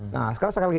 nah sekarang sekali lagi